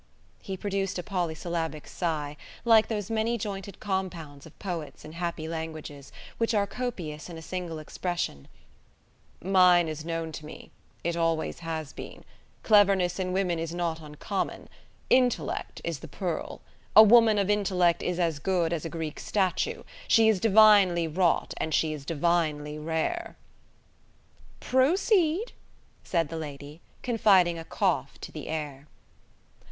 He produced a polysyllabic sigh, like those many jointed compounds of poets in happy languages, which are copious in a single expression: "Mine is known to me. It always has been. Cleverness in women is not uncommon. Intellect is the pearl. A woman of intellect is as good as a Greek statue; she is divinely wrought, and she is divinely rare." "Proceed," said the lady, confiding a cough to the air.